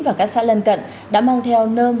và các xã lân cận đã mong theo nơm